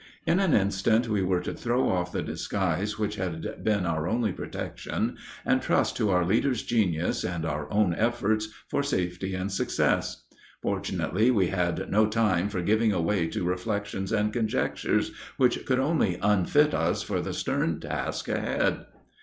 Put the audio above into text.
In an instant we were to throw off the disguise which had been our only protection, and trust to our leader's genius and our own efforts for safety and success. Fortunately we had no time for giving way to reflections and conjectures which could only unfit us for the stern task ahead.